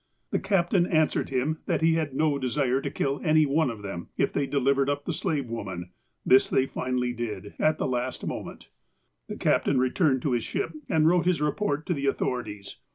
The captain answered him that he had no desire to kill any one of them, if they delivered up the slave woman. This they finally did, at the last moment. The captain returned to his ship, and wrote his report to the authorities.